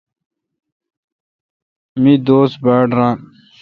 مہ دوست باڑ ران این۔